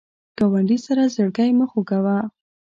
ګاونډي سره زړګی مه خوږوه